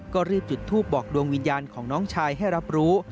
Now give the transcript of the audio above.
ก็รีบจุดทูปบอกดวงวิญญาณของน้องชายให้รับรู้